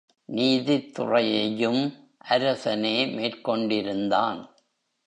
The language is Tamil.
நீதித்துறையையும் அரசனே மேற்கொண்டிருந்தான்.